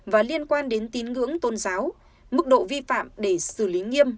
và liên quan đến tín ngưỡng tôn giáo mức độ vi phạm để xử lý nghiêm